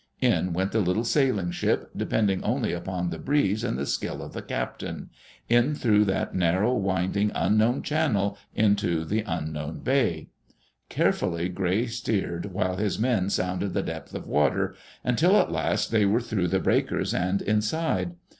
In went the little sailing ship, depending only upon the breeze and the skill of the captain — in through that narrow, winding, unknown channel into the unknown bay. Carefully Gray steered while his men sounded the depth of water, until at last they were through the breakers and inside.